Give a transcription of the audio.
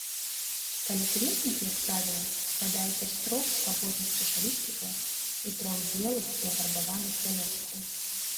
Калякветнік, як правіла, складаецца з трох свабодных чашалісцікаў і трох белых ці афарбаваных пялёсткаў.